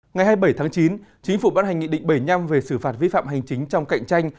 ngày hai mươi bảy tháng chín chính phủ bắt hành nghị định bảy mươi năm về xử phạt vi phạm hành chính trong cạnh tranh